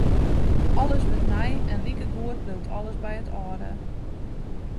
Alles wurdt nij en likegoed bliuwt alles by it âlde.